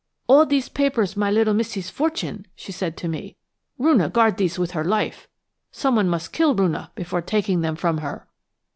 'All these papers my little missee's fortune,' she said to me. 'Roonah guard these with her life. Someone must kill Roonah before taking them from her!'